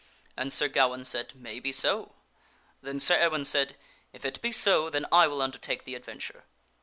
And Sir Gawaine said, " Maybe so." Then Sir Ewaine said, " If it be so then I will undertake the adventure."